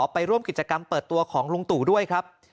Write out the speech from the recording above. ไปร่วมกิจกรรมเปิดตัวของลุงตู่ด้วยครับ